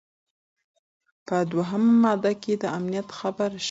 په دوهمه ماده کي د امنیت خبره شوې وه.